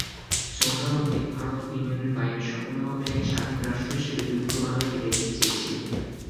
সোহরাওয়ার্দী ভারত ইউনিয়নের বাইরে সম্পূর্ণভাবে এক স্বাধীন রাষ্ট্র হিসেবে যুক্ত বাংলাকে দেখতে চেয়েছিলেন।